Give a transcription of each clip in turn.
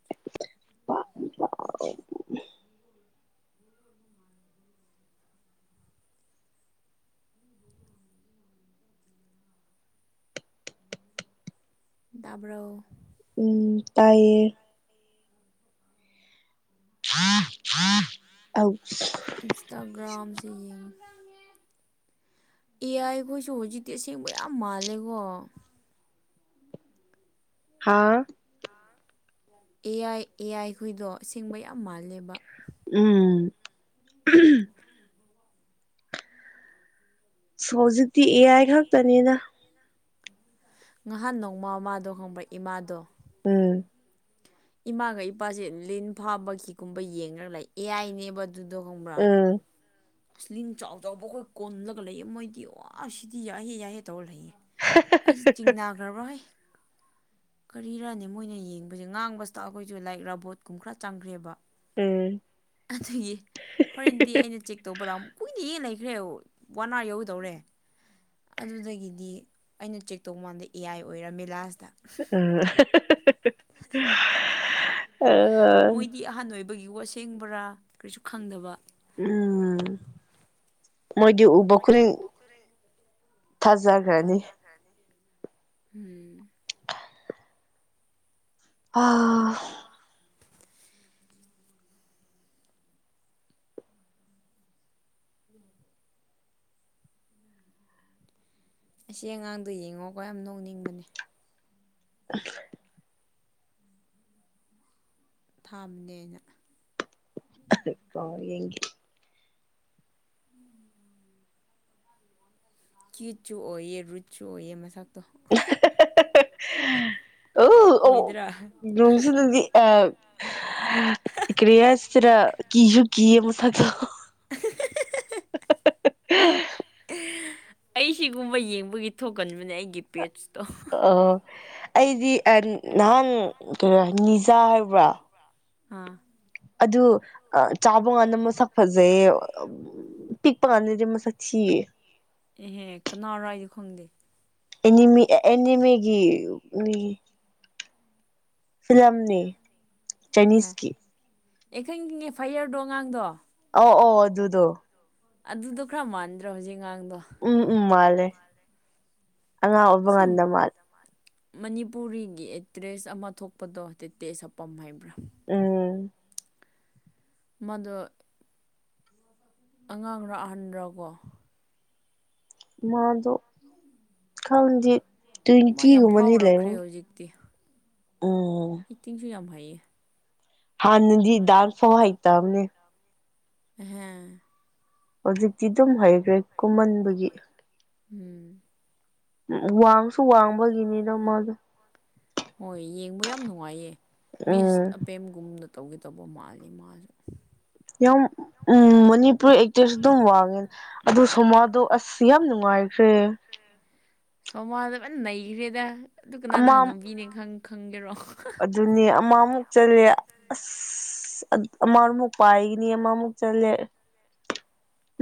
[inaudible] ꯇꯥꯕ꯭ꯔꯣ ꯎꯝ ꯇꯥꯏꯌꯦ ꯍꯥ ꯍꯥ ꯏꯟꯁꯇꯥꯒ꯭ꯔꯥꯝꯁꯦ ꯌꯦꯡꯤ ꯑꯦ ꯑꯥꯏ ꯑꯩ ꯈꯈꯣꯏꯁꯨ ꯍꯧꯖꯤꯛꯇꯤ ꯑꯁꯦꯡꯕ ꯌꯥꯝ ꯃꯥꯜꯂꯦꯀꯣ ꯍꯥꯥ ꯑꯦꯌꯥꯥꯏ ꯑꯦ ꯑꯥꯏꯈꯣꯏꯗꯣ ꯑꯁꯦꯡꯕ ꯌꯥꯝ ꯃꯥꯜꯂꯦꯕꯥ ꯎꯝ ꯍꯧꯖꯤꯛꯇꯤ ꯑꯦ ꯑꯥꯏ ꯈꯛꯇꯅꯤꯗꯥ ꯉꯍꯥꯟ ꯅꯣꯡꯃꯃꯥꯗꯣ ꯍꯪꯕ ꯏꯃꯥꯗꯣ ꯎꯝ ꯏꯃꯥꯒ ꯏꯄꯥꯁꯦ ꯂꯤꯟ ꯐꯥꯕꯒꯤꯒꯨꯝꯕ ꯌꯦꯡꯉꯒ ꯂꯩ ꯑꯦꯌꯥꯥꯏꯅꯦꯕ ꯑꯗꯨꯗ ꯈꯪꯕ꯭ꯔꯥ ꯎꯝ ꯀꯁꯂꯤꯡ ꯆꯥꯎ ꯆꯥꯎꯕ ꯑꯩꯈꯣꯏ ꯀꯣꯜꯂꯒ ꯂꯩꯑ ꯃꯣꯏꯗꯤ ꯑ ꯁꯤꯗꯤ ꯌꯥꯏꯍꯦ ꯌꯥꯏꯍꯦ ꯇꯧꯔ ꯂꯩꯌꯦꯦ ꯑꯩꯁꯦ ꯆꯤꯡꯅꯈ꯭ꯔꯔꯣꯏ [inaudible] ꯀꯔꯤꯔꯅꯤ ꯃꯣꯏꯅ ꯌꯦꯡꯕꯁꯦ ꯉꯥꯡꯕꯁꯤꯗ ꯑꯩꯈꯣꯏꯁꯨ ꯂꯥꯏꯛ ꯔꯥꯕꯣꯠꯀꯨꯝꯕ ꯈꯔ ꯆꯪꯈ꯭ꯔꯦꯕ ꯑꯗꯨꯒꯤ ꯍꯣꯔꯦꯟꯗꯤ ꯑꯩꯅ ꯆ ꯇꯧꯕ ꯂꯥꯨ ꯀꯨꯏꯅ ꯌꯦ ꯂꯩꯈ꯭ꯔꯦ ꯋꯥꯟ ꯑꯋꯥꯔ ꯌꯧꯒꯗꯧꯔꯦ ꯑꯗꯨꯗꯒꯤꯗꯤ ꯑꯩꯅ ꯆꯦꯛ ꯇꯧꯕ ꯃꯥꯟꯗ ꯑꯦ ꯑꯥꯏ ꯑꯣꯏꯔ ꯃꯦꯂꯥꯁ ꯎꯝ ꯑ ꯃꯣꯏꯗꯤ ꯑꯍꯥꯟ ꯑꯣꯏꯕꯒꯤ ꯋꯥꯁꯦꯡꯕ꯭ꯔꯥ ꯀꯔꯤꯁꯨ ꯈꯪꯗꯕ ꯎꯝ ꯃꯣꯏꯗꯤ ꯎꯕꯈ ꯎꯝ ꯑꯥ ꯑꯁꯤꯁ ꯑꯉꯥꯡꯗꯣ ꯌꯦꯡꯉꯣꯀ ꯌꯥꯝ ꯅꯣꯛꯅꯤꯡꯕꯅꯦ [inaudible] ꯊꯥꯝꯕꯅꯦꯅ ꯏꯣ ꯌꯦ ꯀꯤꯆ ꯆꯨ ꯑꯣꯏꯏꯌꯦ ꯔꯨꯆ ꯆꯨ ꯑꯣꯏꯌꯦ ꯃꯁꯀꯛꯇ ꯑꯣꯁꯤꯗꯤ ꯑ ꯀ꯭ꯔꯤꯁꯇꯔ ꯀꯁꯨ ꯀꯤꯌꯦ ꯃꯁꯛꯗꯣ [inaudible] [inaudible] ꯑꯩ ꯁꯤꯒꯨꯝꯕ ꯌꯦꯡꯕꯒꯤ ꯊꯣꯛꯀꯟꯕꯅꯦ ꯑꯩꯒꯤ ꯄꯦꯠꯁꯇꯣ ꯑꯣ ꯑꯩꯗꯤ ꯅꯍꯥꯟ ꯀꯩꯅꯣ ꯅꯤꯖꯥ ꯍꯥꯏꯕ꯭ꯔꯥ ꯑꯥ ꯑꯗꯨ ꯆꯥꯕ ꯉꯥꯟꯗ ꯃꯁꯛ ꯐꯖꯩ ꯄꯤꯛ ꯄꯥꯗꯗꯤ ꯃꯁꯛ ꯊꯤ ꯑꯦꯍꯦ ꯀꯅꯥꯔꯏꯗꯤ ꯈꯪꯗꯦ ꯑꯦꯅꯤꯃꯤ ꯑꯦꯅꯤꯃꯤꯒꯤ ꯃꯤ ꯐꯤꯂꯝꯅꯤ ꯆꯥꯏꯅꯤꯁꯀꯤ ꯑꯩꯈꯪꯒꯤ ꯑꯦꯐ ꯑꯥꯏ ꯑꯔꯗꯣ ꯑꯉꯥꯡꯗꯣ ꯑꯣ ꯑꯣ ꯑꯗꯨꯗꯣ ꯑꯗꯨꯗꯣ ꯈꯔ ꯃꯥꯟꯗ꯭ꯔꯥ ꯍꯧꯖꯤꯛ ꯉꯥꯡꯗꯣ ꯎꯝ ꯎꯝ ꯃꯥꯜꯂꯦ ꯑꯉꯥꯡ ꯑꯣꯏꯕ ꯁꯤ ꯀꯥꯟꯗ ꯃꯥꯜꯂꯦ ꯃꯅꯤꯄꯨꯔꯤꯒꯤ ꯑꯦꯛꯇ꯭ꯔꯦꯁ ꯑꯃ ꯊꯣꯛꯄꯗꯣ ꯇꯦ ꯇꯦ ꯁꯄꯝ ꯍꯥꯏꯕ꯭ꯔꯥ ꯎꯝ ꯃꯗꯨ ꯑꯉꯥꯡꯅꯣ ꯑꯍꯟꯕ꯭ꯔꯣꯀꯣ ꯃꯥꯗꯨ ꯀꯗꯤ ꯃꯥ ꯌꯥꯝ ꯐꯥꯎꯔꯛꯈ꯭ꯔꯦ ꯍꯧꯖꯤꯛꯇꯤ ꯎꯝ ꯑꯦꯇꯤꯡꯁꯨ ꯉꯝ ꯐꯩ ꯍꯥꯟꯅꯗꯤ ꯗꯗꯥꯥꯟ ꯐ ꯍꯥꯏ ꯍꯥꯏ ꯇꯕꯅꯦ ꯍꯥꯦ ꯍꯧꯖꯤꯛꯇꯤ ꯑꯗꯨꯝ ꯍꯩꯈ꯭ꯔꯦ ꯀꯨꯝꯍꯟꯕꯒꯤ ꯎꯝ ꯎ ꯋꯥꯡꯁꯨ ꯋꯥꯡꯕꯒꯤꯅꯤꯅ ꯃꯥꯗ ꯍꯣꯏ ꯌꯦꯡꯕ ꯌꯥꯝ ꯅꯨꯡꯉꯥꯏꯌꯦ ꯎꯝ ꯃꯤꯁ ꯑꯄꯦꯝꯒꯨꯝꯅ ꯇꯧꯒꯦ ꯇꯧꯕ ꯃꯥꯜꯂꯤ ꯃꯥꯁꯨ ꯎꯝ ꯃꯅꯤꯄꯨꯔ ꯦꯁꯨ ꯑꯗꯨꯝ ꯋꯥꯡꯉꯦ ꯑꯗꯨ ꯁꯣꯃꯥꯗꯣ ꯑꯁ ꯌꯥꯝ ꯅꯨꯡꯉꯥꯏꯈ꯭ꯔꯦ ꯁꯣꯃꯥꯗ ꯐꯅ ꯅꯩꯈ꯭ꯔꯦꯗ ꯑꯗꯨ ꯑꯃ ꯀꯅꯥꯅꯍꯥꯟꯅꯨꯕꯤꯅꯦ ꯈ ꯈꯪꯒꯦꯔꯣ ꯑꯗꯨꯅꯦ ꯑꯃꯃꯨꯛ ꯆꯠꯂꯦ ꯑꯁ ꯑꯃꯃꯨꯛ ꯄꯥꯏꯒꯅꯤ ꯑꯃꯃꯨꯛ ꯆꯠꯂꯦ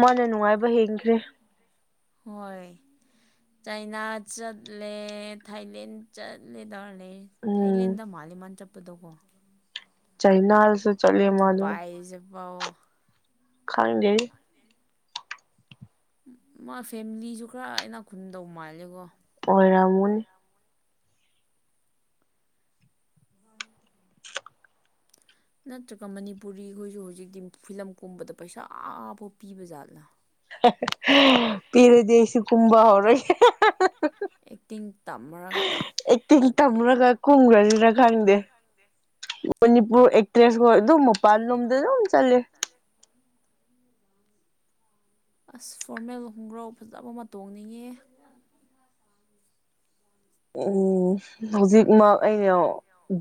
ꯃꯥꯅ ꯅꯨꯡꯉꯥꯏꯕ ꯍꯦꯟꯈ꯭ꯔꯦ ꯍꯣꯏ ꯆꯥꯏꯅꯥ ꯆꯠꯂꯦ ꯊꯥꯏꯂꯦꯟ ꯆꯠꯂꯦꯗꯧ ꯎꯝ ꯊꯥꯏꯂꯦꯟꯗ ꯃꯃꯟ ꯆꯠꯄꯗꯣꯀꯣ ꯆꯥꯏꯅꯥ ꯗꯨꯕꯥꯏ ꯆꯕ ꯈꯗꯦꯔꯤ ꯃꯥ ꯐꯦꯃꯤꯂꯤꯁꯨ ꯈꯔ ꯑꯅꯥ ꯈꯨꯟꯗꯧ ꯃꯥꯜꯂꯦꯀꯣ ꯃꯣꯏꯔꯃꯟ ꯅꯠꯇ꯭ꯔꯒ ꯃꯅꯤꯄꯨꯔꯤ ꯈꯈꯣꯏꯁꯨ ꯍꯧꯖꯤꯛꯇꯤ ꯐꯤꯂꯝꯒꯨꯝꯕꯗ ꯄꯩꯁꯥꯐꯥꯎ ꯄꯤꯕ ꯖꯥꯠꯂꯥ ꯄꯔꯦꯖꯩꯁꯨ ꯀꯨꯝꯕ ꯍꯔꯣꯏ ꯑꯦꯛꯇꯤꯡ ꯇꯝꯃꯔꯒ ꯇꯝꯃꯨꯔꯒ ꯀꯨꯝꯈ꯭ꯔꯅꯤꯅ ꯈꯪꯗꯦ ꯃꯅꯤꯄꯨꯔ ꯑꯦꯇ꯭ꯔꯦꯁ ꯑꯗꯨ ꯃꯣꯄꯜ ꯅꯝꯗ ꯑꯗꯨꯝ ꯆꯜꯂꯦ ꯑꯁ ꯐꯣꯔꯃꯦꯜ ꯈꯣꯡꯒ꯭ꯔꯥꯎ ꯐꯖꯕ ꯃꯇꯣꯡ ꯅꯤꯡꯉꯦ ꯍꯧꯖꯤꯛꯃꯛ ꯑꯩꯅ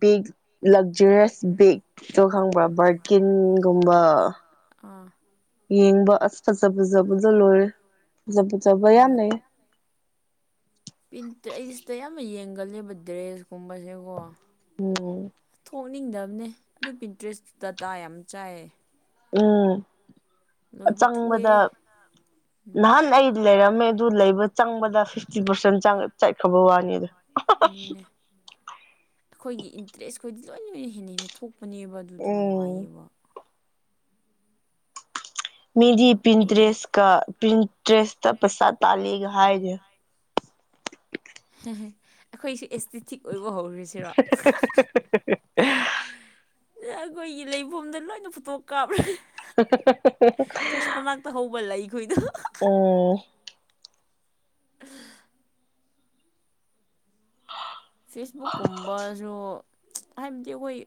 ꯕꯒ ꯂꯛꯖꯔꯤꯁ ꯕꯦꯛ ꯑꯗꯨ ꯈꯪꯕ꯭ꯔꯥ ꯕꯔꯀꯤꯟꯒꯨꯝꯕ ꯑꯥ ꯌꯦꯡꯕ ꯑꯁ ꯐꯖ ꯐꯖꯕꯗꯣ ꯂꯣꯏꯔꯦ ꯐꯖ ꯐꯖꯕ ꯌꯥꯝ ꯂꯩꯩ ꯄꯤꯟꯇ꯭ꯔꯦ ꯑꯩ ꯁꯤꯗ ꯌꯥꯝꯅ ꯌꯦꯡꯒꯂꯦꯕ ꯗ꯭ꯔꯦꯁꯀꯨꯝꯕꯁꯦꯀꯣ ꯎꯝ ꯄꯣꯛꯅꯤꯡꯗꯕꯅꯦ ꯑꯗꯨ ꯄꯟꯇ꯭ꯔꯦꯁꯇꯨ ꯗꯇꯥ ꯌꯥꯝ ꯆꯥꯏꯌꯦ ꯂꯣꯏꯕ ꯊꯨꯑꯦ ꯎꯝꯆꯪꯕꯗ ꯅꯍꯥꯟ ꯑꯩ ꯂꯩꯔꯝꯃꯦ ꯑꯗꯨ ꯂꯩꯕ ꯆꯪꯕꯗ ꯐꯤꯐꯇꯤ ꯄꯥꯔꯁꯦꯟ ꯆꯠꯈ꯭ꯔꯕ ꯋꯥꯅꯤꯗ ꯑꯗꯨꯅꯦ ꯑꯩꯈꯣꯏꯒꯤ ꯏꯟꯇꯔꯦꯁꯈꯣꯏꯗꯤ ꯂꯣꯏ ꯂꯣꯏꯅ ꯍꯦꯟꯅ ꯍꯦꯟꯅ ꯊꯣꯛꯄ ꯍꯥꯞꯄꯅꯦꯕ ꯑꯗꯨꯗꯣ ꯎꯝ ꯅꯨꯡꯉꯥꯏꯌꯦꯕ ꯃꯦꯔꯤ ꯑꯗꯨꯒ ꯄꯤꯟꯇ꯭ꯔꯦꯁ ꯂꯣꯏꯕꯗꯣ ꯀ ꯄꯤꯟꯇ꯭ꯔꯦꯁ ꯇ ꯄꯩꯁꯥ ꯇꯥꯂꯤꯒ ꯍꯥꯏꯖ ꯑꯩꯈꯣꯏ ꯏꯁꯇ ꯊꯤ ꯑꯣꯏ ꯍꯣ ꯔꯤꯁꯤꯔꯣ ꯑꯩꯈꯣꯏꯒꯤ ꯂꯩꯐꯝꯗ ꯂꯣꯏꯅ ꯐꯣꯇꯣꯛ ꯀꯥꯞꯈꯦ [inaudible] ꯍꯧꯕ ꯂꯩꯈꯣꯏꯗꯣ ꯎꯝ ꯐꯦꯁꯕꯨꯛ ꯀꯨꯝꯕꯁꯨ ꯍꯥꯏꯕꯗꯤ ꯑꯩꯈꯣꯏ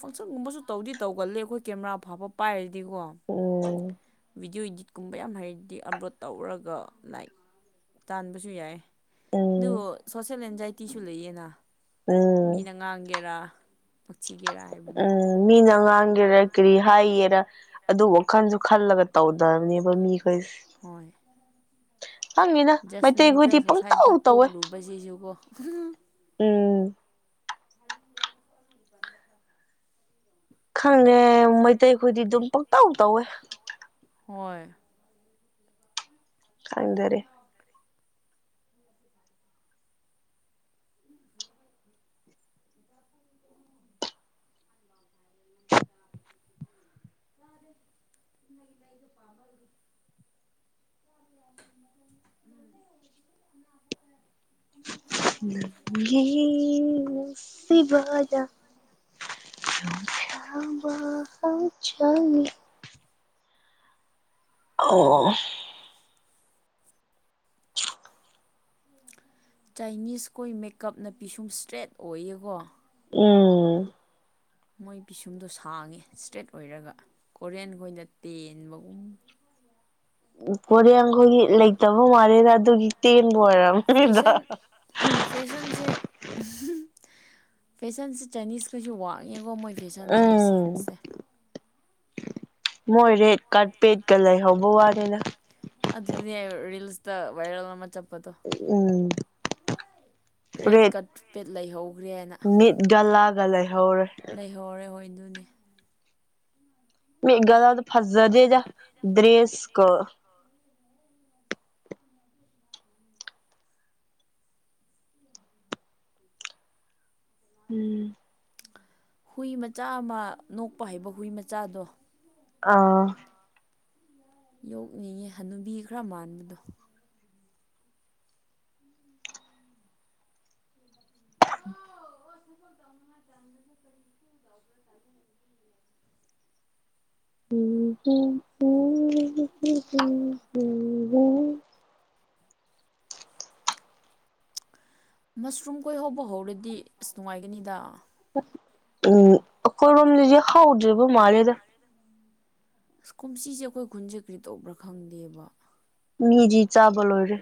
ꯐꯪꯁꯟꯒꯨꯝꯕꯁꯨ ꯇꯧꯗꯤ ꯇꯧꯒꯜꯂꯦ ꯑꯩꯈꯣꯏ ꯀꯦꯃꯦꯔꯥ ꯐꯥꯎꯕ ꯄꯥꯏꯔꯤ ꯑꯗꯨꯀꯣ ꯎꯝ ꯕꯤꯗꯤꯑꯣ ꯏꯗꯤꯠ ꯀꯨꯝꯕ ꯌꯥꯝ ꯍꯩꯔꯗꯤ ꯑꯞꯂꯣꯗ ꯇꯧꯔꯒ ꯂꯥꯏꯛ ꯇꯥꯟꯕꯁꯨ ꯌꯥꯏꯌꯦ ꯎꯝ ꯑꯗꯨ ꯁꯣꯁꯦꯜ ꯑꯦꯟꯖꯥꯏꯇꯤꯁꯨ ꯂꯩꯌꯦꯅ ꯎꯝ ꯃꯤꯅ ꯉꯥꯡꯒꯦꯔꯥ ꯁꯤꯒꯦꯔꯥ ꯍꯥꯏꯕꯗꯣ ꯉꯥꯡꯒꯦꯔ ꯀꯔꯤ ꯍꯥꯏꯒꯦꯔ ꯑꯗꯨ ꯋꯥꯈꯜꯁꯨ ꯈꯜꯂꯒ ꯇꯧꯗꯕꯅꯦꯕ ꯃꯤ ꯍꯩꯁ ꯖꯁꯃꯦꯟꯇ ꯁꯣꯁꯥꯏꯇꯤ ꯇꯧꯋꯦ ꯄꯣꯛꯂꯨꯕꯁꯤꯁꯨꯀꯣ ꯎꯝ ꯈꯪꯗꯦ ꯃꯩꯇꯩꯈꯣꯏꯗꯤ ꯑꯗꯨꯝ ꯄꯨꯡꯇꯧꯗ ꯇꯧꯋꯦ ꯍꯣꯏ ꯈꯪꯗꯔꯦ [inaudible] [inaudible] ꯅꯪꯒꯤ ꯅꯨꯪꯁꯤꯕꯗ ꯂꯨꯞꯈꯔꯕ ꯍꯛꯆꯥꯡꯅꯤ ꯑꯣ ꯆꯥꯏꯅꯤꯁ ꯈꯣꯏ ꯃꯦꯀꯞꯅ ꯄꯤꯁꯨꯝ ꯏꯁꯇ꯭ꯔꯦꯠ ꯑꯣꯏꯌꯦꯀꯣ ꯎꯝ ꯃꯣꯏ ꯄꯤꯁꯨꯝꯗꯣ ꯁꯥꯡꯉꯦ ꯏꯁꯇ꯭ꯔꯦꯠ ꯑꯣꯏꯔꯒ ꯀꯣꯔꯤꯑꯟ ꯈꯣꯏꯅ ꯇꯦꯟꯕꯒꯨꯝ ꯀꯣꯔꯤꯑꯟꯈꯣꯏꯒꯤ ꯂꯩꯇꯕ ꯃꯂꯦꯗ ꯑꯗꯨꯒꯤ ꯇꯦꯟ ꯕ ꯑꯣꯏꯔꯝꯅꯤꯗ ꯐꯦꯁꯟ ꯐꯦꯁꯟꯁꯦ ꯐꯦꯁꯟꯁꯦ ꯆꯥꯏꯅꯤꯁꯀꯩꯁꯨ ꯋꯥꯡꯉꯦꯀꯣ ꯃꯣꯏ ꯐꯦꯁꯟꯁꯦ ꯎꯝ ꯁꯦꯝꯁꯦ ꯃꯣꯏ ꯔꯦꯠ ꯀꯥꯔꯄꯦꯠꯀ ꯂꯩꯍꯧꯕ ꯋꯥꯅꯤꯗ ꯑꯗꯨꯅꯦ ꯔꯤꯜꯁꯗ ꯕꯥꯏꯔꯦꯜ ꯑꯃ ꯆꯠꯄ ꯎꯝ ꯔꯦꯠ ꯀꯠ ꯄꯦꯠ ꯂꯩꯍꯧ ꯃꯤꯠꯒ ꯂꯥꯒ ꯂꯩ ꯂꯩꯍꯧꯔꯦ ꯍꯣꯏꯗꯨꯅꯤ ꯃꯤꯒ ꯂꯒ ꯐꯖꯗꯦꯗ ꯗ꯭ꯔꯦꯁꯀ [inaudible] ꯎꯝ ꯍꯨꯏ ꯃꯆꯥ ꯑꯃ ꯅꯣꯛꯄ ꯍꯥꯏꯕ ꯍꯨꯏ ꯃꯆꯥꯗꯣ ꯑꯥ ꯌꯣꯛꯅꯤꯡꯉꯤ ꯍꯅꯨꯕꯤ ꯈꯔ ꯃꯥꯟꯕꯗꯣ [inaudible] ꯎ ꯎ ꯎ ꯎ ꯎ ꯎ ꯎ ꯃꯁ꯭ꯔꯨꯝ ꯈꯣꯏ ꯍꯧꯕ ꯍꯧꯔꯗꯤ ꯑꯁ ꯅꯨꯡꯉꯥꯏꯒꯅꯤꯗ ꯎꯝ ꯑꯈꯣꯏꯔꯣꯝꯗꯗꯤ ꯍꯥꯎꯗ꯭ꯔꯕ ꯃꯥꯜꯂꯦꯗ ꯑꯁ ꯀꯨꯝꯁꯤꯁꯦ ꯑꯩꯈꯣꯏ ꯈꯨꯟꯁꯦ ꯀꯔꯤ ꯇꯧꯕ꯭ꯔꯥ ꯈꯪꯗꯦꯕ ꯃꯤꯗꯤ ꯆꯥꯕ ꯂꯣꯏꯔꯦ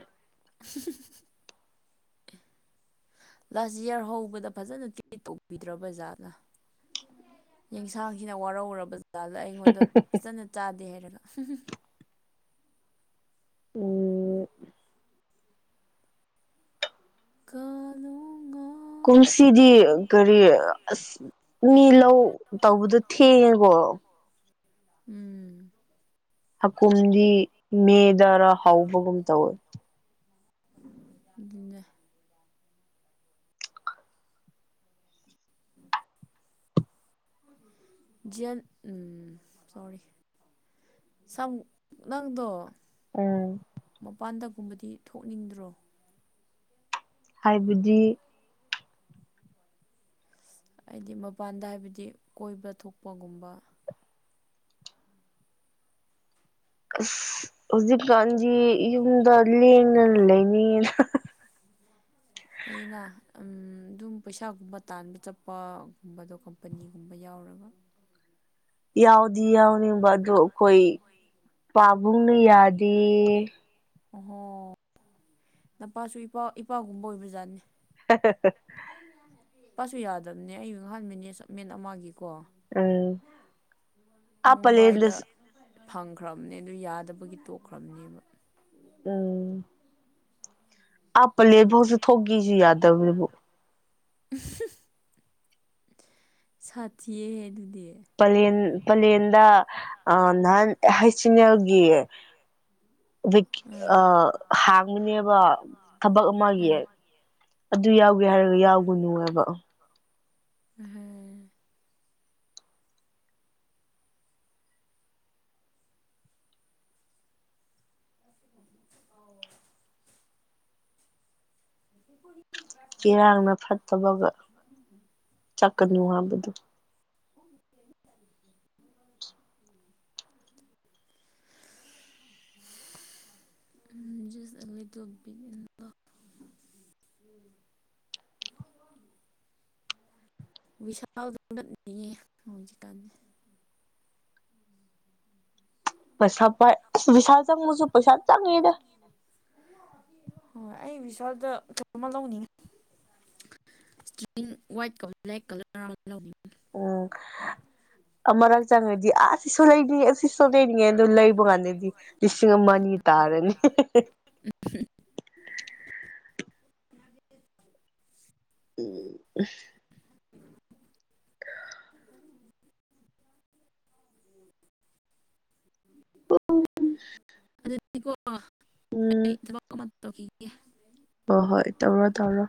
[inaudible] ꯂꯥꯁ ꯏꯌꯥꯔ ꯍꯧꯕꯗ ꯐꯖꯅ ꯇ꯭ꯔꯤꯠ ꯇꯧꯕꯤꯗ꯭ꯔꯕ ꯖꯥꯠꯂ ꯌꯦꯟꯁꯥꯡꯁꯤꯅ ꯋꯥꯔꯧꯔꯕ ꯖꯥꯠꯂ ꯑꯩꯉꯣꯟꯗ ꯐꯖꯅ ꯆꯥꯗꯦ ꯍꯥꯏꯔꯒ ꯑꯣ ꯀꯥꯂꯣ ꯀꯨꯝꯁꯤꯗꯤ ꯀꯔꯤ ꯑꯁ ꯃꯤ ꯂꯧ ꯇꯧꯕꯗꯣ ꯊꯦꯡꯉꯦꯀꯣ ꯎꯝ ꯍꯥꯀꯨꯝꯗꯤ ꯃꯦꯗꯔꯥ ꯍꯥꯎꯕꯒꯨꯝ ꯇꯧꯋꯦ ꯟꯖ ꯖꯤꯌꯥꯟ ꯎꯝ ꯁꯣꯔꯤ ꯁꯝ ꯅꯪꯗꯣ ꯎꯝ ꯃꯄꯥꯟꯗꯒꯨꯝꯕꯗꯤ ꯊꯣꯛꯅꯤꯡꯗ꯭ꯔꯣ ꯍꯥꯏꯕꯗꯤ ꯍꯥꯏꯗꯤ ꯃꯄꯥꯟꯗ ꯍꯥꯏꯕꯗꯤ ꯀꯣꯏꯕ ꯊꯣꯛꯄꯒꯨꯝꯕ ꯑꯁ ꯍꯧꯖꯤꯛꯀꯥꯟꯗꯤ ꯌꯨꯝꯗ ꯂꯦꯡꯅꯅ ꯂꯩꯅꯤꯡꯑꯅ [inaudible] ꯑꯩꯅ ꯑꯗꯨꯝ ꯄꯩꯁꯥꯒꯨꯝꯕ ꯇꯥꯟꯕ ꯆꯠꯄꯒꯨꯝꯕꯗꯣ ꯀꯝꯄꯅꯤꯒꯨꯝꯕ ꯌꯥꯎꯔ [inaudible] ꯌꯥꯎꯗꯤ ꯌꯥꯎꯅꯤꯡꯕ ꯑꯗꯨ ꯑꯩꯈꯣꯏ ꯄꯥꯕꯨꯡꯅ ꯌꯥꯗꯦ ꯑꯣꯍꯣ ꯅꯄꯥꯁꯨ ꯏꯄꯥ ꯏꯄꯥꯒꯨꯝꯕ ꯑꯣꯏꯕꯖꯥꯠꯅꯤ [inaudible] ꯄꯁꯨ ꯌꯥꯗꯕꯅꯦ ꯑꯩꯌ ꯉꯍꯥꯟꯕꯅꯦ ꯁ ꯃꯦꯟ ꯑꯃꯒꯤꯒꯤ ꯎꯝ ꯑ ꯃꯨꯝꯕꯥꯏꯗ ꯂꯩꯅꯗꯁ ꯐꯪꯈ꯭ꯔꯕꯅꯦ ꯑꯗꯨ ꯌꯥꯗꯕꯒꯤ ꯇꯣꯛꯈ꯭ꯔꯕꯅꯦꯕ ꯎꯝ ꯑꯥꯞꯄ ꯂꯦꯕꯥꯎꯁꯨ ꯊꯣꯛꯈꯤꯦꯁꯨ ꯌꯥꯗꯕꯗꯨꯕꯨ [inaudible] ꯁꯥꯊꯤꯌꯦ ꯑꯗꯨꯗꯤ ꯄꯂꯌꯦꯟ ꯄꯂꯦꯟꯗ ꯑ ꯅꯍꯥꯟ ꯍꯩꯆ ꯑꯦꯟ ꯑꯦꯜꯒꯤ ꯑꯥ ꯑ ꯍꯥꯡꯃꯤꯅꯦꯕ ꯊꯕꯛ ꯑꯃꯒꯤ ꯑꯗꯨ ꯌꯥꯎꯒꯦ ꯍꯥꯏꯔꯒ ꯌꯥꯎꯒꯨꯅꯨꯑꯕ ꯍꯝ ꯑ ꯎ ꯄꯨ ꯏꯔꯥꯡꯅ ꯐꯠꯇꯕꯒ ꯆꯠꯀꯅꯨ ꯎꯝ ꯍꯥꯏꯕꯗꯨ [inaudible] [inaudible] ꯖꯁꯣꯏ ꯕꯤꯗ ꯎ ꯋꯁꯥꯗ ꯅꯠꯅꯤꯡꯉꯦ ꯍꯧꯖꯤꯛꯀꯥꯟꯁ ꯄꯩꯁꯥ ꯄꯥꯏ ꯕꯤꯁꯥꯜ ꯆꯪꯉꯨꯁꯨ ꯄꯩꯁꯥ ꯆꯪꯉꯤꯗ ꯍꯣꯏ ꯑꯩ ꯕꯤꯚꯤꯁꯥꯜꯗꯆ ꯑꯃ ꯂꯧꯅꯤꯡꯉ ꯏꯁꯀꯔꯤ ꯋꯥꯏꯠ ꯀ ꯕ꯭ꯂꯦꯛ ꯀꯂꯔ ꯂꯧꯅꯤꯡꯉꯦ ꯎꯝ ꯑꯃꯛ ꯆꯪꯉꯗꯤ ꯑꯥ ꯁꯤꯁꯨ ꯂꯩꯅꯤꯡꯉꯦ ꯁꯤꯁꯨ ꯂꯩꯅꯤꯡꯉꯦ ꯑ ꯑꯗꯨ ꯂꯩꯕ ꯀꯥꯟꯗꯗꯤ ꯂꯤꯁꯤꯡ ꯑꯃ ꯑꯅꯤ ꯇꯥꯔꯅꯤ ꯦ [inaudible] ꯎꯝ ꯑꯣ ꯎꯝ ꯇ ꯀꯦ ꯍꯣꯏ ꯍꯣꯏ ꯇꯧꯔꯣ ꯇꯧꯔꯣ